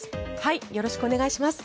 よろしくお願いします。